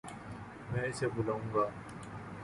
میں اسے بلاوں گا